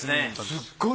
すっごい